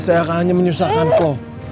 saya akan hanya menyusahkanku